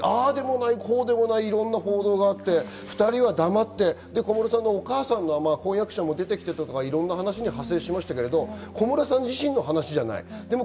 いろいろな報道があって、２人は黙って、小室さんのお母さん、婚約者も出てきて、いろいろ派生しましたが、小室さん自身の話じゃない。